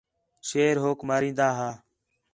شیر ہوک مرین٘دا ہا